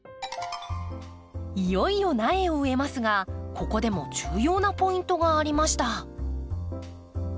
いよいよ苗を植えますがここでも重要なポイントがありました。